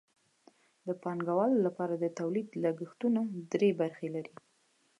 د پانګوالو لپاره د تولید لګښتونه درې برخې لري